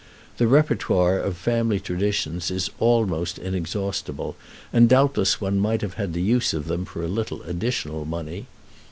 The répertoire of family traditions is almost inexhaustible, and doubtless one might have the use of them for a little additional money.